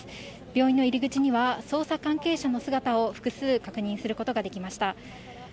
病院の入り口には捜査関係者の姿を複数確認することができました。